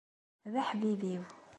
D aḥbib-iw.